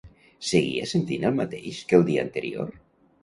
Seguia sentint el mateix que el dia anterior?